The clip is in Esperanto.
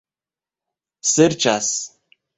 serĉas